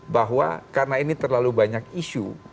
bahwa karena ini terlalu banyak isu